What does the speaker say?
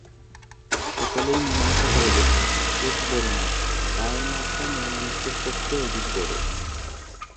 সকলেই মীমাংসা করলে, চোখ বড়ো নয়, পায়ের মাপটা মেয়েমানুষের পক্ষে অধিক বড়ো।